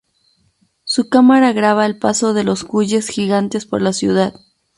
Su cámara graba el paso de los cuyes gigantes por la ciudad.